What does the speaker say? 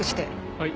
はい。